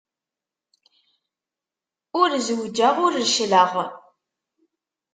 Ur zewǧeɣ, ur reccleɣ.